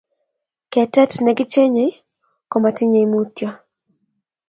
katet nekichenyei komotinyei mutyo